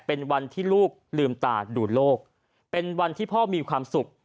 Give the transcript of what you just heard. เป็นวันที่ลูกลืมตาดูโลกเป็นวันที่พ่อมีความสุข